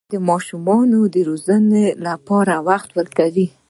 سپین ږیری د ماشومانو د روزنې لپاره وخت ورکوي